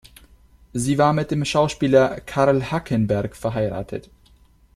Sie war mit dem Schauspieler Karl Hackenberg verheiratet.